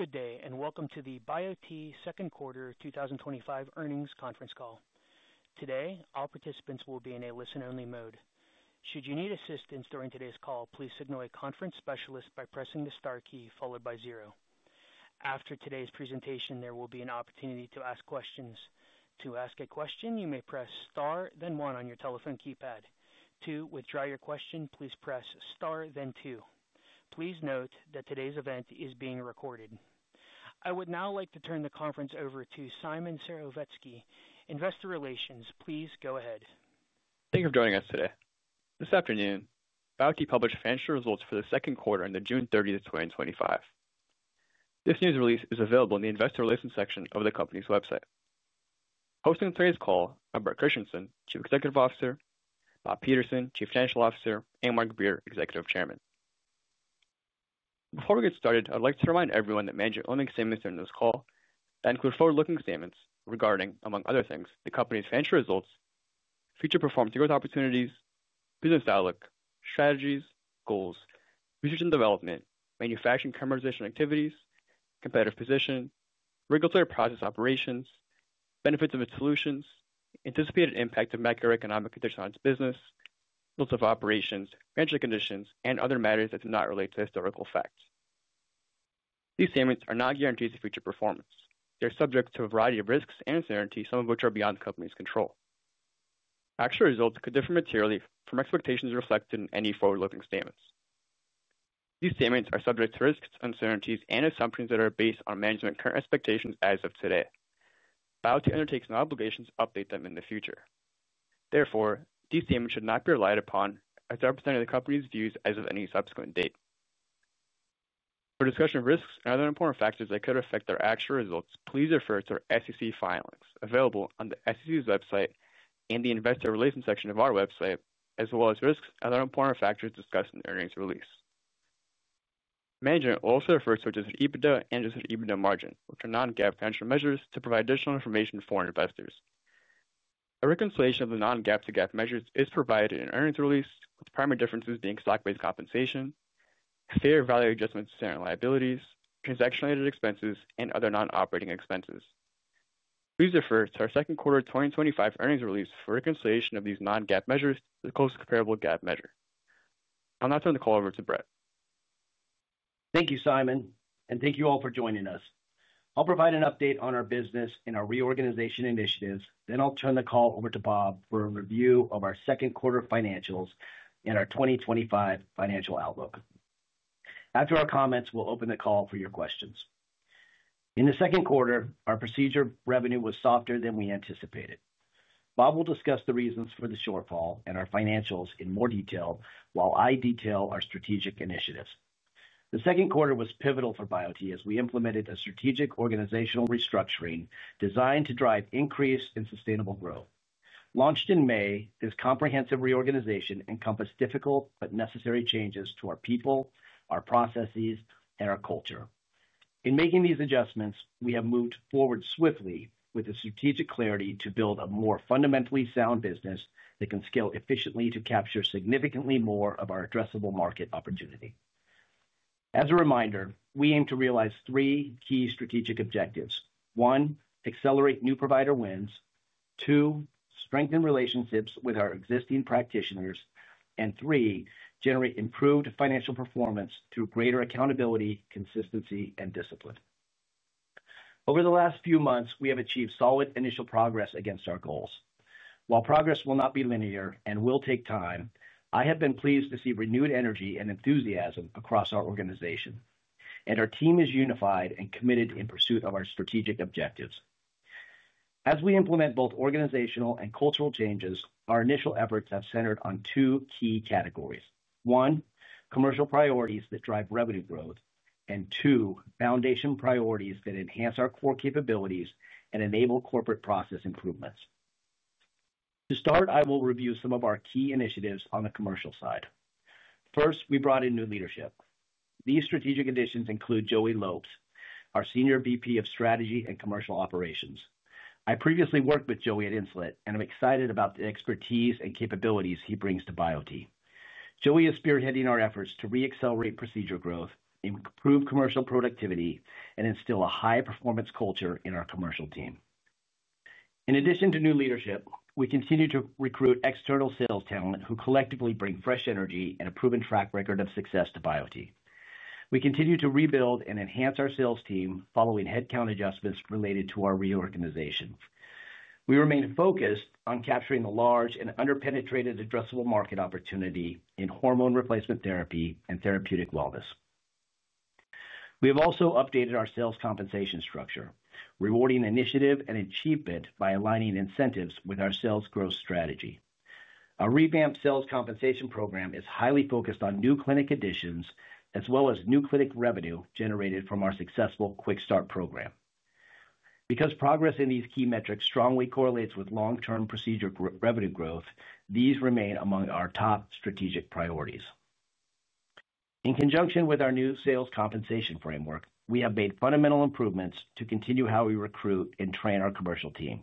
Good day, and welcome to the biote Second Quarter 2025 Earnings Conference Call. Today, all participants will be in a listen-only mode. Should you need assistance during today's call, please signal a conference specialist by pressing the star key followed by zero. After today's presentation, there will be an opportunity to ask questions. To ask a question, you may press star, then one on your telephone keypad. To withdraw your question, please press star, then two. Please note that today's event is being recorded. I would now like to turn the conference over to Simon Serowiecki, Investor Relations. Please go ahead. Thank you for joining us today. This afternoon, biote published financial results for the second quarter on June 30th, 2025. This news release is available in the investor relations section of the company's website. Hosting today's call are Bret Christensen, Chief Executive Officer; Bob Peterson, Chief Financial Officer; and Marc Beer, Executive Chairman. Before we get started, I'd like to remind everyone that management earnings statements during this call include forward-looking statements regarding, among other things, the company's financial results, future performance, growth opportunities, business outlook, strategies, goals, research and development, manufacturing and commercialization activities, competitive position, regulatory process, operations, benefits of its solutions, anticipated impact of macroeconomic conditions on its business, results of operations, financial condition, and other matters that do not relate to historical facts. These statements are not guarantees of future performance. They're subject to a variety of risks and uncertainties, some of which are beyond the company's control. Actual results could differ materially from expectations reflected in any forward-looking statements. These statements are subject to risks, uncertainties, and assumptions that are based on management's current expectations as of today. biote undertakes no obligations to update them in the future. Therefore, these statements should not be relied upon as they represent the company's views as of any subsequent date. For discussion of risks and other important factors that could affect their actual results, please refer to our SEC filings available on the SEC's website and the investor relations section of our website, as well as risks and other important factors discussed in the earnings release. Management will also refer to adjusted EBITDA and adjusted EBITDA margin, which are non-GAAP financial measures, to provide additional information for investors. A reconciliation of the non-GAAP to GAAP measures is provided in the earnings release, with primary differences being stock-based compensation, fair value adjustments to standard liabilities, transaction-related expenses, and other non-operating expenses. Please refer to our second quarter 2025 earnings release for reconciliation of these non-GAAP measures with the closest comparable GAAP measure. I'll now turn the call over to Bret. Thank you, Simon, and thank you all for joining us. I'll provide an update on our business and our reorganization initiatives. I'll turn the call over to Bob for a review of our second quarter financials and our 2025 financial outlook. After our comments, we'll open the call for your questions. In the second quarter, our procedure revenue was softer than we anticipated. Bob will discuss the reasons for the shortfall and our financials in more detail while I detail our strategic initiatives. The second quarter was pivotal for biote as we implemented a strategic organizational restructuring designed to drive increase in sustainable growth. Launched in May, this comprehensive reorganization encompassed difficult but necessary changes to our people, our processes, and our culture. In making these adjustments, we have moved forward swiftly with the strategic clarity to build a more fundamentally sound business that can scale efficiently to capture significantly more of our addressable market opportunity. As a reminder, we aim to realize three key strategic objectives: one, accelerate new provider wins; two, strengthen relationships with our existing practitioners; and three, generate improved financial performance through greater accountability, consistency, and discipline. Over the last few months, we have achieved solid initial progress against our goals. While progress will not be linear and will take time, I have been pleased to see renewed energy and enthusiasm across our organization, and our team is unified and committed in pursuit of our strategic objectives. As we implement both organizational and cultural changes, our initial efforts have centered on two key categories: one, commercial priorities that drive revenue growth; and two, foundation priorities that enhance our core capabilities and enable corporate process improvements. To start, I will review some of our key initiatives on the commercial side. First, we brought in new leadership. These strategic additions include Joey Lopes, our Senior Vice President of Strategy and Commercial Operations. I previously worked with Joey at Insulet, and I'm excited about the expertise and capabilities he brings to biote. Joey is spearheading our efforts to re-accelerate procedure growth, improve commercial productivity, and instill a high-performance culture in our commercial team. In addition to new leadership, we continue to recruit external sales talent who collectively bring fresh energy and a proven track record of success to biote. We continue to rebuild and enhance our sales team following headcount adjustments related to our reorganization. We remain focused on capturing the large and underpenetrated addressable market opportunity in hormone replacement therapy and therapeutic wellness. We have also updated our sales compensation structure, rewarding initiative and achievement by aligning incentives with our sales growth strategy. Our revamped sales compensation program is highly focused on new clinic additions, as well as new clinic revenue generated from our successful QuickStart program. Because progress in these key metrics strongly correlates with long-term procedure revenue growth, these remain among our top strategic priorities. In conjunction with our new sales compensation framework, we have made fundamental improvements to continue how we recruit and train our commercial team.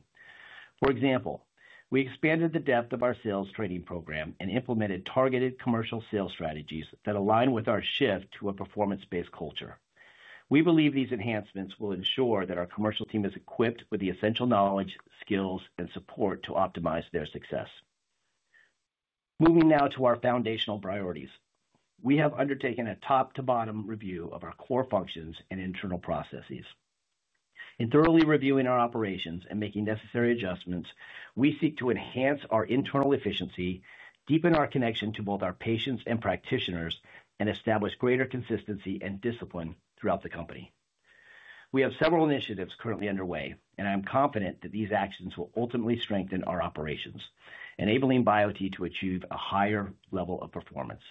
For example, we expanded the depth of our sales training program and implemented targeted commercial sales strategies that align with our shift to a performance-based culture. We believe these enhancements will ensure that our commercial team is equipped with the essential knowledge, skills, and support to optimize their success. Moving now to our foundational priorities, we have undertaken a top-to-bottom review of our core functions and internal processes. In thoroughly reviewing our operations and making necessary adjustments, we seek to enhance our internal efficiency, deepen our connection to both our patients and practitioners, and establish greater consistency and discipline throughout the company. We have several initiatives currently underway, and I am confident that these actions will ultimately strengthen our operations, enabling biote to achieve a higher level of performance.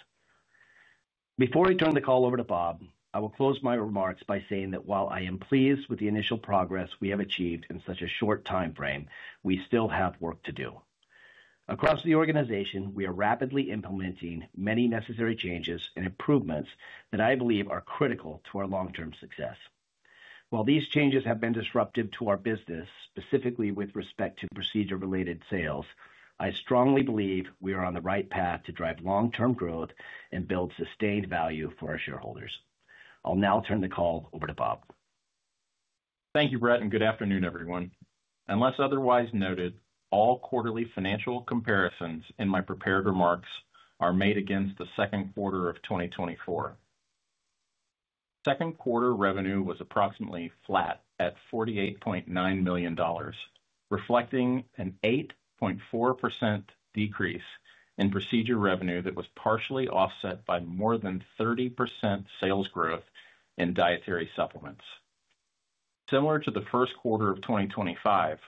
Before I turn the call over to Bob, I will close my remarks by saying that while I am pleased with the initial progress we have achieved in such a short timeframe, we still have work to do. Across the organization, we are rapidly implementing many necessary changes and improvements that I believe are critical to our long-term success. While these changes have been disruptive to our business, specifically with respect to procedure-related sales, I strongly believe we are on the right path to drive long-term growth and build sustained value for our shareholders. I'll now turn the call over to Bob. Thank you, Bret, and good afternoon, everyone. Unless otherwise noted, all quarterly financial comparisons in my prepared remarks are made against the second quarter of 2024. Second quarter revenue was approximately flat at $48.9 million, reflecting an 8.4% decrease in procedure revenue that was partially offset by more than 30% sales growth in dietary supplements. Similar to the first quarter of 2025,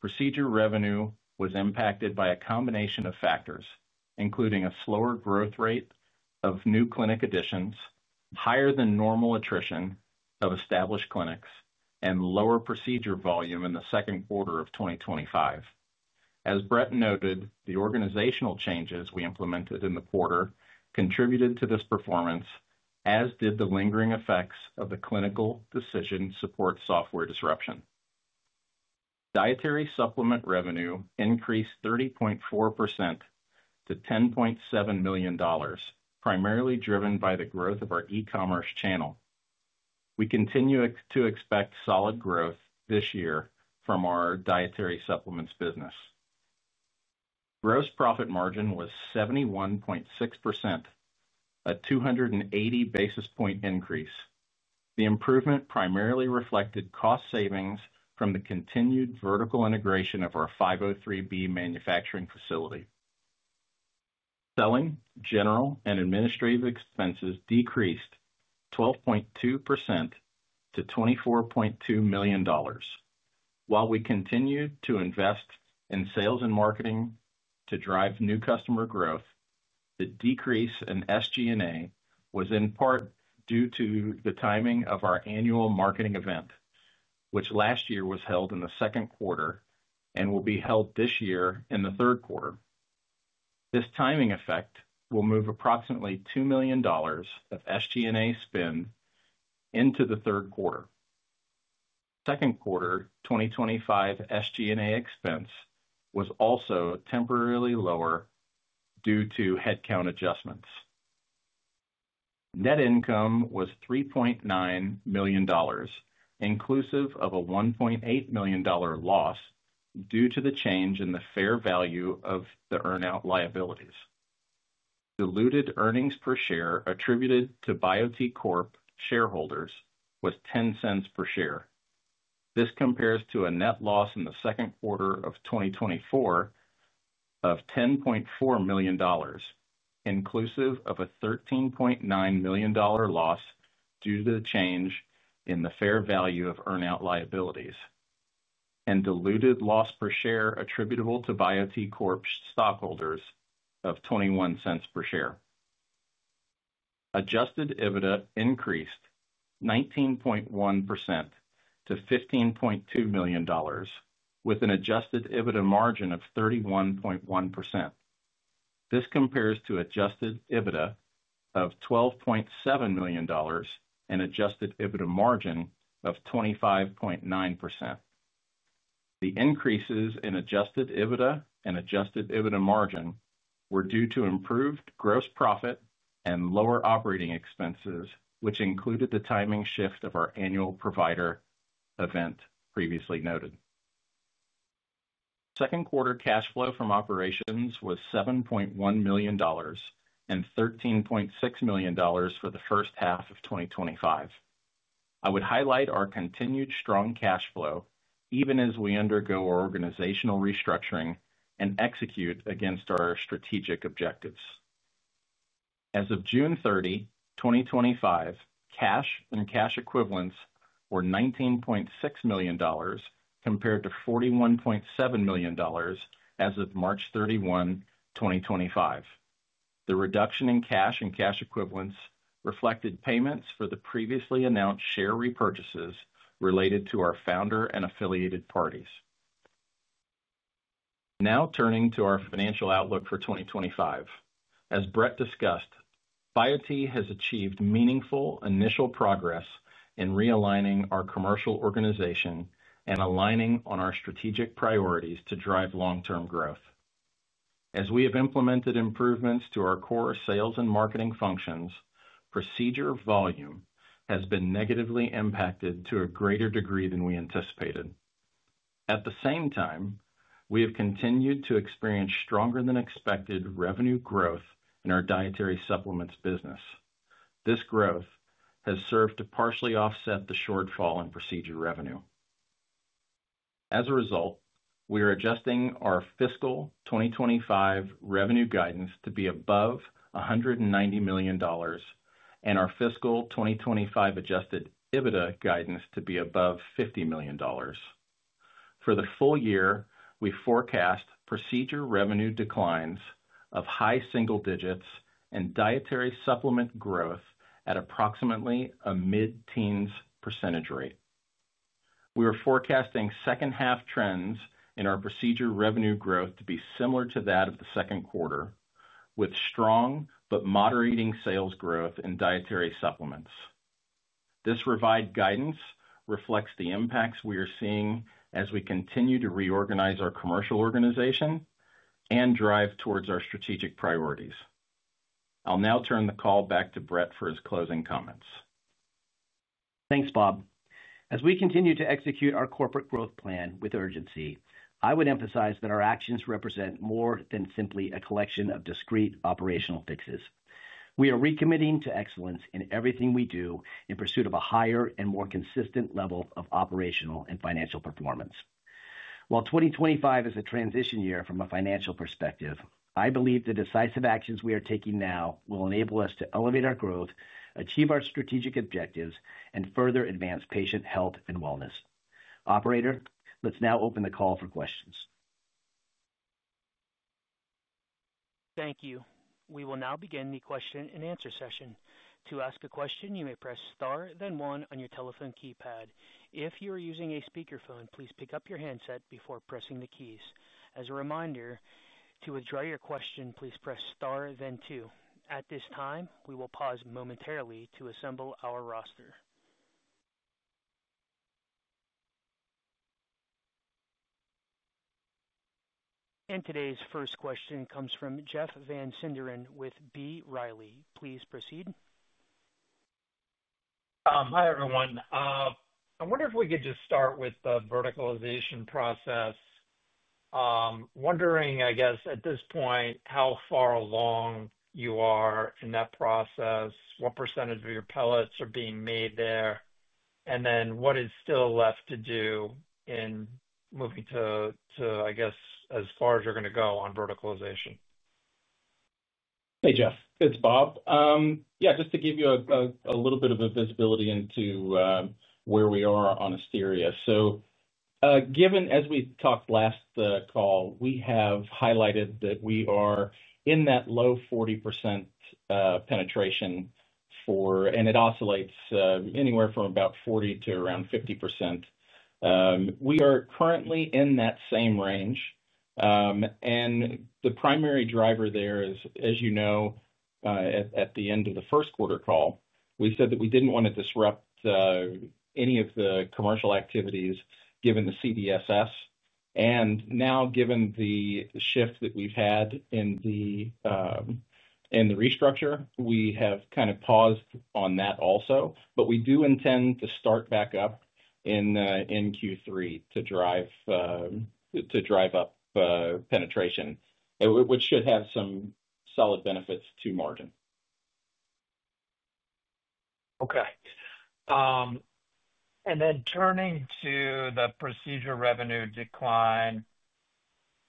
procedure revenue was impacted by a combination of factors, including a slower growth rate of new clinic additions, higher than normal attrition of established clinics, and lower procedure volume in the second quarter of 2025. As Bret noted, the organizational changes we implemented in the quarter contributed to this performance, as did the lingering effects of the clinical decision support software disruption. Dietary supplement revenue increased 30.4% to $10.7 million, primarily driven by the growth of our e-commerce channel. We continue to expect solid growth this year from our dietary supplements business. Gross profit margin was 71.6%, a 280 basis point increase. The improvement primarily reflected cost savings from the continued vertical integration of our 503B manufacturing facility. Selling, general and administrative expenses decreased 12.2% to $24.2 million. While we continued to invest in sales and marketing to drive new customer growth, the decrease in SG&A was in part due to the timing of our annual marketing event, which last year was held in the second quarter and will be held this year in the third quarter. This timing effect will move approximately $2 million of SG&A spend into the third quarter. Second quarter 2025 SG&A expense was also temporarily lower due to headcount adjustments. Net income was $3.9 million, inclusive of a $1.8 million loss due to the change in the fair value of the earnout liabilities. Diluted earnings per share attributed to biote Corp shareholders was $0.10 per share. This compares to a net loss in the second quarter of 2024 of $10.4 million, inclusive of a $13.9 million loss due to the change in the fair value of earnout liabilities and diluted loss per share attributable to biote Corp stockholders of $0.21 per share. Adjusted EBITDA increased 19.1% to $15.2 million, with an adjusted EBITDA margin of 31.1%. This compares to adjusted EBITDA of $12.7 million and adjusted EBITDA margin of 25.9%. The increases in adjusted EBITDA and adjusted EBITDA margin were due to improved gross profit and lower operating expenses, which included the timing shift of our annual provider event previously noted. Second quarter cash flow from operations was $7.1 million and $13.6 million for the first half of 2025. I would highlight our continued strong cash flow, even as we undergo our organizational restructuring and execute against our strategic objectives. As of June 30, 2025, cash and cash equivalents were $19.6 million compared to $41.7 million as of March 31, 2025. The reduction in cash and cash equivalents reflected payments for the previously announced share repurchases related to our founder and affiliated parties. Now turning to our financial outlook for 2025, as Bret discussed, biote has achieved meaningful initial progress in realigning our commercial organization and aligning on our strategic priorities to drive long-term growth. As we have implemented improvements to our core sales and marketing functions, procedure volume has been negatively impacted to a greater degree than we anticipated. At the same time, we have continued to experience stronger-than-expected revenue growth in our dietary supplements business. This growth has served to partially offset the shortfall in procedure revenue. As a result, we are adjusting our fiscal 2025 revenue guidance to be above $190 million and our fiscal 2025 adjusted EBITDA guidance to be above $50 million. For the full year, we forecast procedure revenue declines of high single digits and dietary supplement growth at approximately a mid-teens percent rate. We are forecasting second-half trends in our procedure revenue growth to be similar to that of the second quarter, with strong but moderating sales growth in dietary supplements. This revised guidance reflects the impacts we are seeing as we continue to reorganize our commercial organization and drive towards our strategic priorities. I'll now turn the call back to Bret for his closing comments. Thanks, Bob. As we continue to execute our corporate growth plan with urgency, I would emphasize that our actions represent more than simply a collection of discrete operational fixes. We are recommitting to excellence in everything we do in pursuit of a higher and more consistent level of operational and financial performance. While 2025 is a transition year from a financial perspective, I believe the decisive actions we are taking now will enable us to elevate our growth, achieve our strategic objectives, and further advance patient health and wellness. Operator, let's now open the call for questions. Thank you. We will now begin the question and answer session. To ask a question, you may press star, then one on your telephone keypad. If you are using a speakerphone, please pick up your handset before pressing the keys. As a reminder, to withdraw your question, please press star, then two. At this time, we will pause momentarily to assemble our roster. Today's first question comes from Jeff Van Sinderen with B. Riley. Please proceed. Hi, everyone. I wonder if we could just start with the verticalization process. I'm wondering, I guess, at this point, how far along you are in that process, what percent of your pellets are being made there, and then what is still left to do in moving to, I guess, as far as you're going to go on verticalization? Hey, Jeff. It's Bob. Yeah, just to give you a little bit of visibility into where we are on Asteria. Given, as we talked last call, we have highlighted that we are in that low 40% penetration for, and it oscillates anywhere from about 40% to around 50%. We are currently in that same range. The primary driver there is, as you know, at the end of the first quarter call, we said that we didn't want to disrupt any of the commercial activities given the CDFS. Now, given the shift that we've had in the restructure, we have kind of paused on that also, but we do intend to start back up in Q3 to drive up penetration, which should have some solid benefits to margin. Okay. Turning to the procedure revenue decline,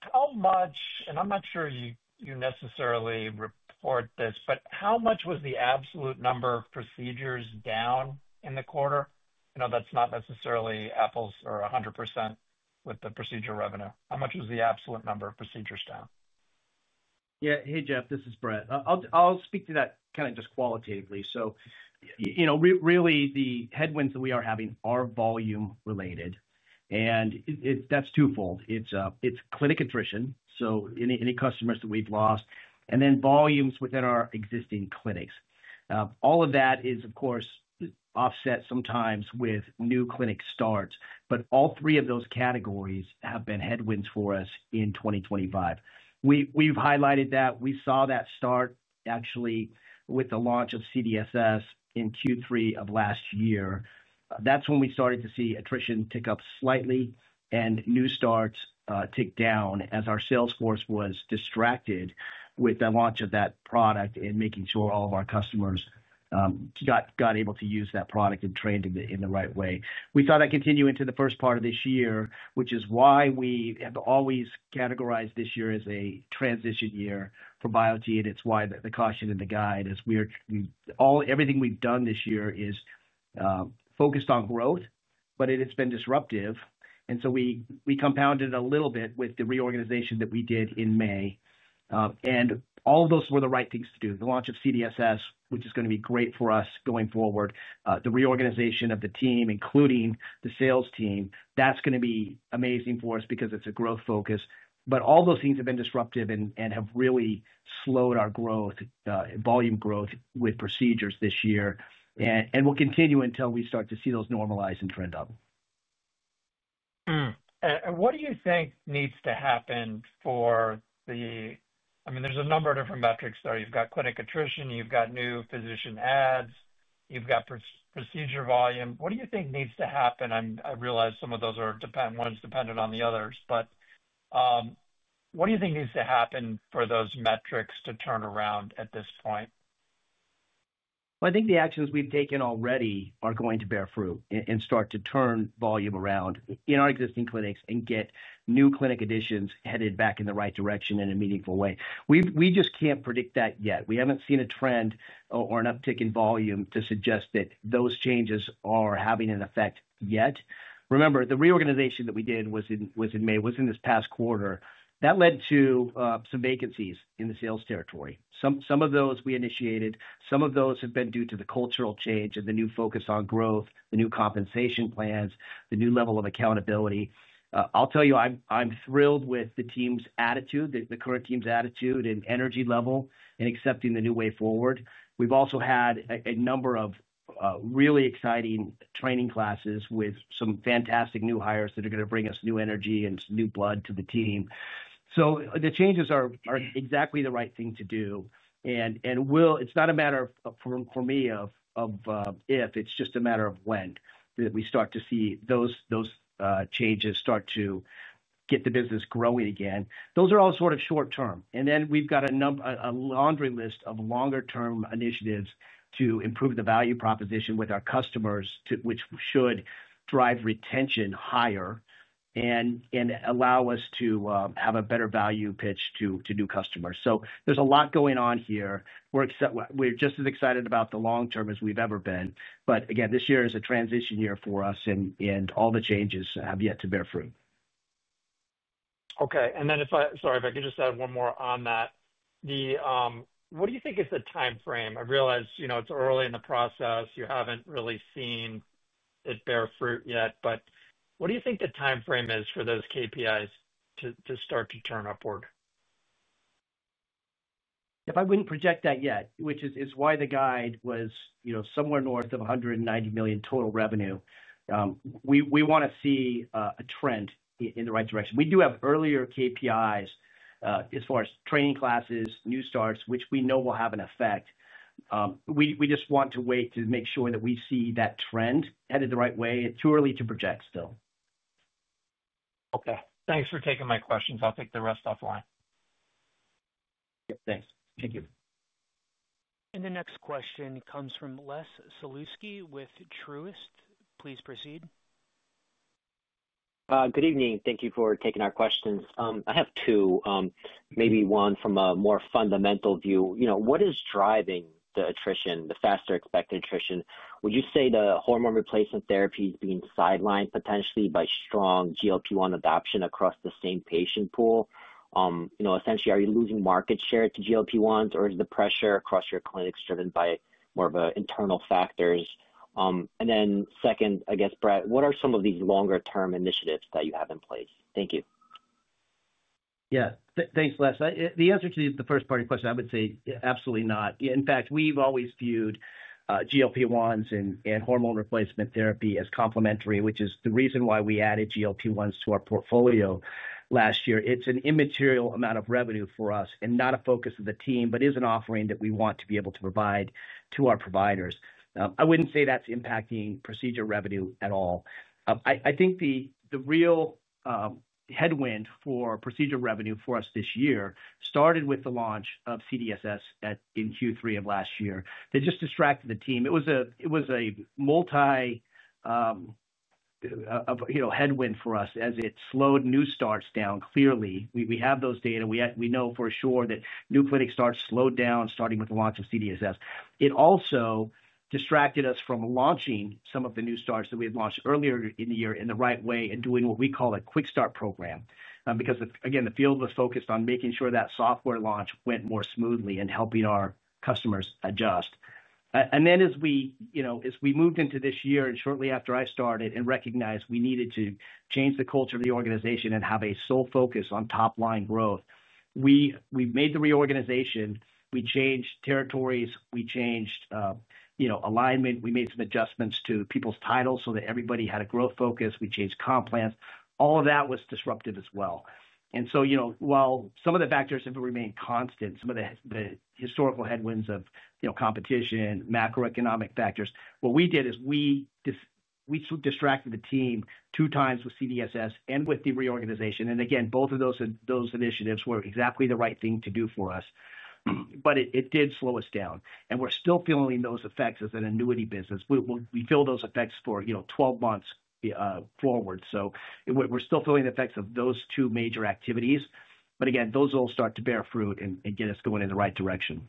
how much, and I'm not sure you necessarily report this, but how much was the absolute number of procedures down in the quarter? I know that's not necessarily apples or 100% with the procedure revenue. How much was the absolute number of procedures down? Yeah. Hey, Jeff. This is Bret. I'll speak to that kind of just qualitatively. Really, the headwinds that we are having are volume-related, and that's twofold. It's clinic attrition, so any customers that we've lost, and then volumes within our existing clinics. All of that is, of course, offset sometimes with new clinic starts, but all three of those categories have been headwinds for us in 2025. We've highlighted that. We saw that start actually with the launch of clinical decision support software in Q3 of last year. That's when we started to see attrition tick up slightly and new starts tick down as our sales force was distracted with the launch of that product and making sure all of our customers got able to use that product and trained in the right way. We thought that would continue into the first part of this year, which is why we have always categorized this year as a transition year for biote, and it's why the caution in the guide is we're all everything we've done this year is focused on growth, but it has been disruptive. We compounded it a little bit with the reorganization that we did in May. All of those were the right things to do. The launch of clinical decision support software, which is going to be great for us going forward, the reorganization of the team, including the sales team, that's going to be amazing for us because it's a growth focus. All those things have been disruptive and have really slowed our growth, volume growth with procedures this year. We'll continue until we start to see those normalize and trend up. What do you think needs to happen for the, I mean, there's a number of different metrics there. You've got clinic attrition, you've got new physician adds, you've got procedure volume. What do you think needs to happen? I realize some of those are dependent, one is dependent on the others, but what do you think needs to happen for those metrics to turn around at this point? I think the actions we've taken already are going to bear fruit and start to turn volume around in our existing clinics and get new clinic additions headed back in the right direction in a meaningful way. We just can't predict that yet. We haven't seen a trend or an uptick in volume to suggest that those changes are having an effect yet. Remember, the reorganization that we did was in May, was in this past quarter. That led to some vacancies in the sales territory. Some of those we initiated, some of those have been due to the cultural change and the new focus on growth, the new compensation plans, the new level of accountability. I'll tell you, I'm thrilled with the team's attitude, the current team's attitude and energy level in accepting the new way forward. We've also had a number of really exciting training classes with some fantastic new hires that are going to bring us new energy and new blood to the team. The changes are exactly the right thing to do. It's not a matter for me of if, it's just a matter of when that we start to see those changes start to get the business growing again. Those are all sort of short term. We've got a laundry list of longer-term initiatives to improve the value proposition with our customers, which should drive retention higher and allow us to have a better value pitch to new customers. There's a lot going on here. We're just as excited about the long term as we've ever been. This year is a transition year for us, and all the changes have yet to bear fruit. Okay. If I could just add one more on that, what do you think is the timeframe? I realize it's early in the process. You haven't really seen it bear fruit yet, but what do you think the timeframe is for those KPIs to start to turn upward? I wouldn't project that yet, which is why the guide was, you know, somewhere north of $190 million total revenue. We want to see a trend in the right direction. We do have earlier KPIs as far as training classes and new starts, which we know will have an effect. We just want to wait to make sure that we see that trend headed the right way. It's too early to project still. Okay. Thanks for taking my questions. I'll take the rest offline. Thank you. The next question comes from Les Sulewski with Truist. Please proceed. Good evening. Thank you for taking our questions. I have two, maybe one from a more fundamental view. What is driving the attrition, the faster expected attrition? Would you say the hormone replacement therapy is being sidelined potentially by strong GLP-1 adoption across the same patient pool? Essentially, are you losing market share to GLP-1s, or is the pressure across your clinics driven by more of internal factors? Second, I guess, Bret, what are some of these longer-term initiatives that you have in place? Thank you. Yeah. Thanks, Les. The answer to the first-party question, I would say absolutely not. In fact, we've always viewed GLP-1s and hormone replacement therapy as complementary, which is the reason why we added GLP-1s to our portfolio last year. It's an immaterial amount of revenue for us and not a focus of the team, but it is an offering that we want to be able to provide to our providers. I wouldn't say that's impacting procedure revenue at all. I think the real headwind for procedure revenue for us this year started with the launch of clinical decision support software in Q3 of last year. It just distracted the team. It was a multi-headwind for us as it slowed new starts down clearly. We have those data. We know for sure that new clinic starts slowed down starting with the launch of clinical decision support software. It also distracted us from launching some of the new starts that we had launched earlier in the year in the right way and doing what we call a quick start program because, again, the field was focused on making sure that software launch went more smoothly and helping our customers adjust. As we moved into this year and shortly after I started and recognized we needed to change the culture of the organization and have a sole focus on top-line growth, we made the reorganization. We changed territories. We changed alignment. We made some adjustments to people's titles so that everybody had a growth focus. We changed comp plans. All of that was disruptive as well. While some of the factors have remained constant, some of the historical headwinds of competition and macroeconomic factors, what we did is we distracted the team two times with clinical decision support software and with the reorganization. Both of those initiatives were exactly the right thing to do for us. It did slow us down. We're still feeling those effects as an annuity business. We feel those effects for 12 months forward. We're still feeling the effects of those two major activities. Those all start to bear fruit and get us going in the right direction.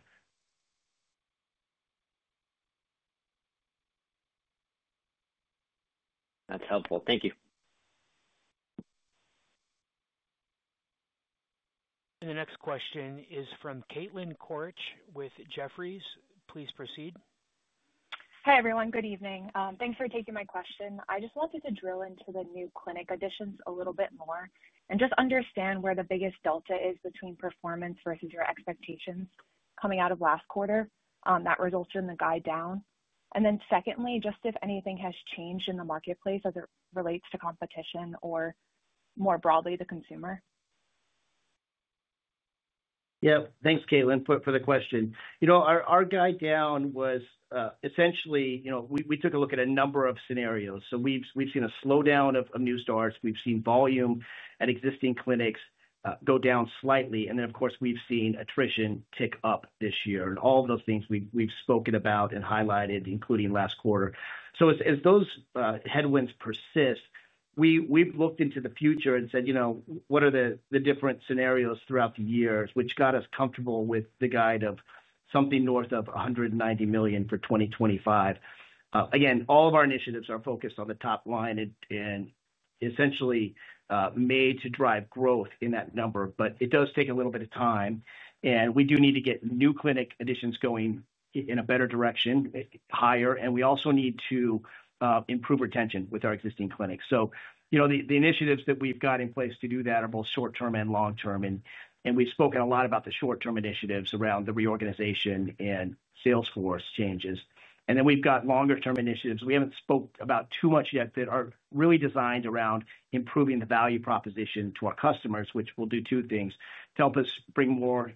That's helpful. Thank you. The next question is from Kaitlyn Korich with Jefferies. Please proceed. Hey, everyone. Good evening. Thanks for taking my question. I just wanted to drill into the new clinic additions a little bit more and just understand where the biggest delta is between performance versus your expectations coming out of last quarter that resulted in the guide down. Secondly, just if anything has changed in the marketplace as it relates to competition or more broadly the consumer. Yeah. Thanks, Kaitlyn, for the question. Our guide down was essentially, we took a look at a number of scenarios. We've seen a slowdown of new starts. We've seen volume at existing clinics go down slightly. Of course, we've seen attrition tick up this year. All of those things we've spoken about and highlighted, including last quarter. As those headwinds persist, we've looked into the future and said, what are the different scenarios throughout the years, which got us comfortable with the guide of something north of $190 million for 2025. Again, all of our initiatives are focused on the top line and essentially made to drive growth in that number, but it does take a little bit of time. We do need to get new clinic additions going in a better direction, higher. We also need to improve retention with our existing clinics. The initiatives that we've got in place to do that are both short-term and long-term. We've spoken a lot about the short-term initiatives around the reorganization and salesforce changes. We've got longer-term initiatives we haven't spoken about too much yet that are really designed around improving the value proposition to our customers, which will do two things: help us bring more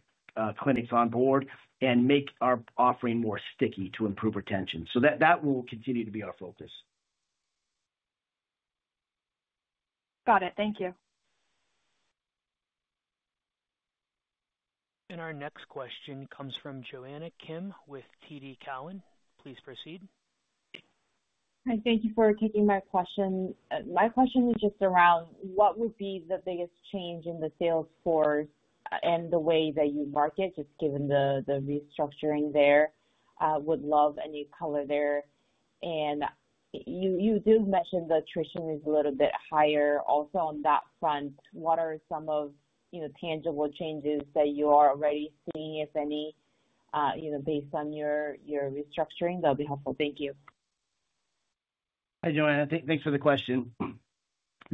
clinics on board and make our offering more sticky to improve retention. That will continue to be our focus. Got it. Thank you. Our next question comes from Jonna Kim with TD Cowen. Please proceed. Hi. Thank you for taking my question. My question is just around what would be the biggest change in the sales force and the way that you market, just given the restructuring there. I would love a new color there. You did mention the attrition is a little bit higher. Also, on that front, what are some of the tangible changes that you are already seeing, if any, you know, based on your restructuring? That would be helpful. Thank you. Hi, Jonna. Thanks for the question.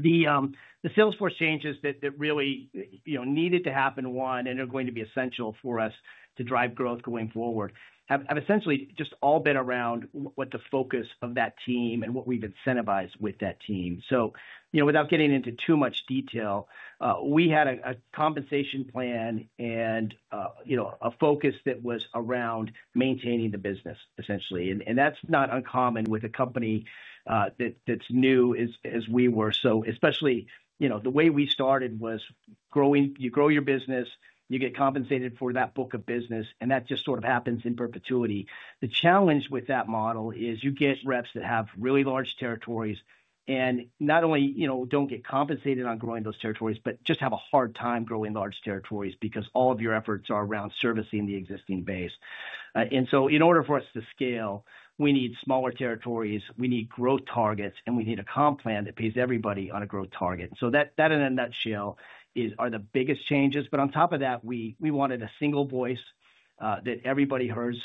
The salesforce changes that really, you know, needed to happen, one, and are going to be essential for us to drive growth going forward have essentially just all been around what the focus of that team and what we've incentivized with that team. Without getting into too much detail, we had a compensation plan and, you know, a focus that was around maintaining the business, essentially. That's not uncommon with a company that's new as we were. Especially, you know, the way we started was growing, you grow your business, you get compensated for that book of business, and that just sort of happens in perpetuity. The challenge with that model is you get reps that have really large territories and not only, you know, don't get compensated on growing those territories, but just have a hard time growing large territories because all of your efforts are around servicing the existing base. In order for us to scale, we need smaller territories, we need growth targets, and we need a comp plan that pays everybody on a growth target. That, in a nutshell, are the biggest changes. On top of that, we wanted a single voice that everybody heard.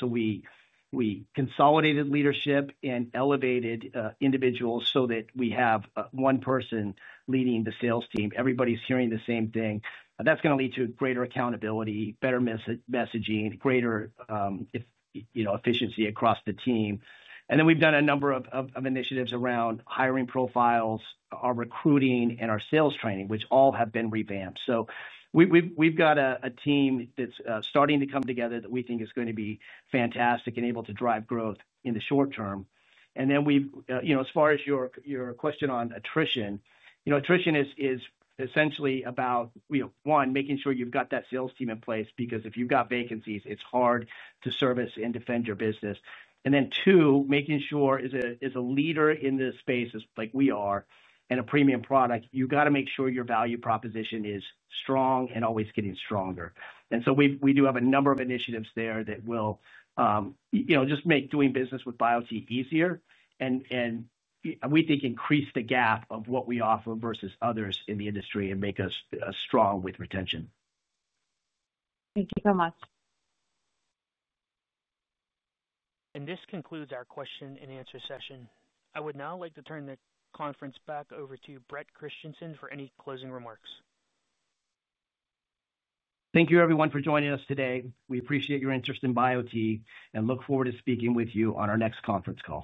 We consolidated leadership and elevated individuals so that we have one person leading the sales team. Everybody's hearing the same thing. That's going to lead to greater accountability, better messaging, greater efficiency across the team. We've done a number of initiatives around hiring profiles, our recruiting, and our sales training, which all have been revamped. We've got a team that's starting to come together that we think is going to be fantastic and able to drive growth in the short term. As far as your question on attrition, attrition is essentially about, you know, one, making sure you've got that sales team in place because if you've got vacancies, it's hard to service and defend your business. Two, making sure as a leader in this space, like we are, and a premium product, you've got to make sure your value proposition is strong and always getting stronger. We do have a number of initiatives there that will, you know, just make doing business with biote easier and, we think, increase the gap of what we offer versus others in the industry and make us strong with retention. Thank you so much. This concludes our question and answer session. I would now like to turn the conference back over to Bret Christensen for any closing remarks. Thank you, everyone, for joining us today. We appreciate your interest in biote and look forward to speaking with you on our next conference call.